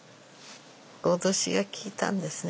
脅しが効いたんですね